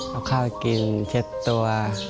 เอาข้าวกินเช็ดตัว